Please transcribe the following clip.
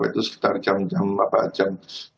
itu sekitar jam jam